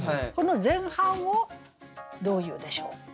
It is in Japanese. この前半をどう言うでしょう？